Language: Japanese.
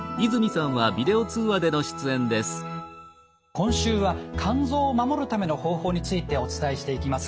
今週は肝臓を守るための方法についてお伝えしていきます。